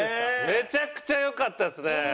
めちゃくちゃ良かったですね。